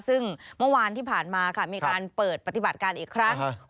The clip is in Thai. ซึ่งเมื่อวานที่ผ่านมาค่ะมีการเปิดปฏิบัติการอีกครั้ง